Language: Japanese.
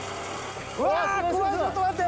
うわー、ちょっと待って。